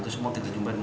itu semua kejahatan